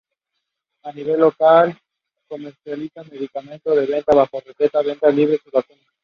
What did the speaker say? A nivel local, comercializa medicamentos de venta bajo receta, venta libre y vacunas.